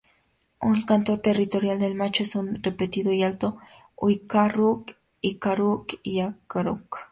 El canto territorial del macho es un repetido y alto "u’ik-a-ruk u’ik-a-ruk u’ik-a-ruk".